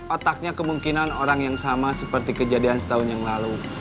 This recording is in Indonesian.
otaknya kemungkinan orang yang sama seperti kejadian setahun yang lalu